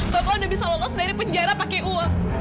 bapak udah bisa lolos dari penjara pakai uang